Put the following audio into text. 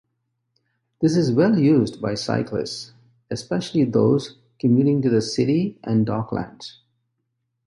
This is well-used by cyclists, especially those commuting to the City and Docklands.